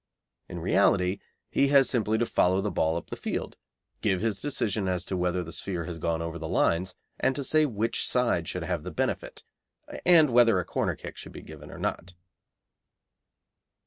In reality, he has simply to follow the ball up the field, give his decision as to whether the sphere has gone over the lines, and to say which side should have the benefit, and whether a corner kick should be given or not.